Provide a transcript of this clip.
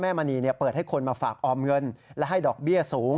มณีเปิดให้คนมาฝากออมเงินและให้ดอกเบี้ยสูง